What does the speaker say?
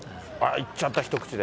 いっちゃった、一口で。